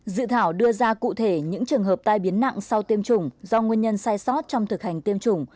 dự thảo đưa ra cụ thể những trường hợp tai biến nặng sau tiêm chủng do nguyên nhân sai sót trong thực hành tiêm chủng